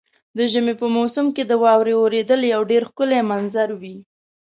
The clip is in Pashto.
د ژمي په موسم کې د واورې اورېدل یو ډېر ښکلی منظر وي.